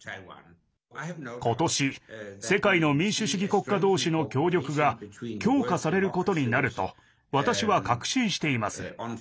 今年、世界の民主主義国家同士の協力が強化されることになると私は確信しています。